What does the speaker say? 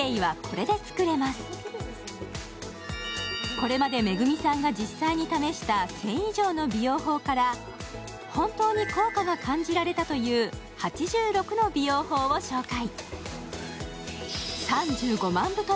これまでＭＥＧＵＭＩさんが実際に試した１０００以上の美容法から本当に効果が感じられたという８６の美容法を紹介。